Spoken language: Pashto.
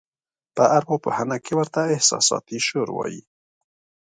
په اروا پوهنه کې ورته احساساتي شور وایي.